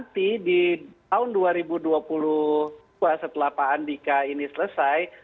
nanti di tahun dua ribu dua puluh dua setelah pak andika ini selesai